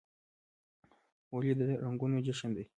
هولي د رنګونو جشن دی.